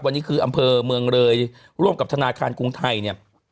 วันนี้คืออำเภอเมืองเลยร่วมกับธนาคารกรุงไทยเนี่ย